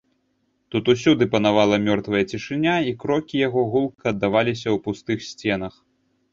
Тут усюды панавала мёртвая цішыня, і крокі яго гулка аддаваліся ў пустых сценах.